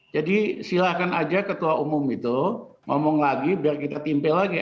jadi silahkan aja ketua umum itu ngomong lagi biar kita timpe lagi